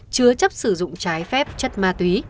chứa chấp sử dụng trái phép chất ma túy